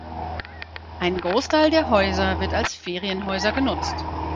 Ein Großteil der Häuser wird als Ferienhäuser genutzt.